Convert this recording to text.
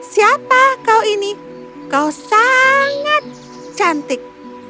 siapa kau ini kau sangat cantik